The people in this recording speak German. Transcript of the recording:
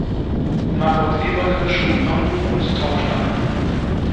Margot Eberle schuf Ambo und Taufstein.